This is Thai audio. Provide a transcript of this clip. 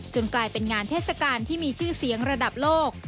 กลายเป็นงานเทศกาลที่มีชื่อเสียงระดับโลก